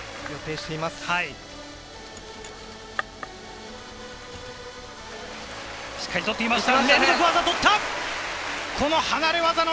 しっかり取っていきました。